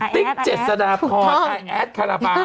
ติ๊กเจ็ดสดาพรไอแอดคาราบาล